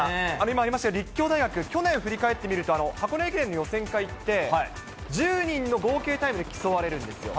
今ありました、立教大学、去年振り返ってみると、箱根駅伝の予選会って、１０人の合計タイムで競われるんですよ。